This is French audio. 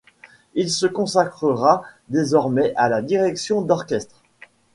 Il se consacrera désormais à la direction d'orchestre.